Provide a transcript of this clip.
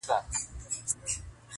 • هر زړه يو درد ساتي تل..